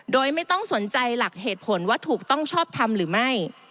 โดยไม่ต้องสนใจหลักเหตุผลว่าถูกต้องชอบทำหรือไม่